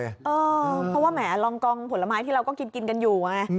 เพราะว่าแหมรองกองผลไม้ที่เราก็กินกันอยู่ไง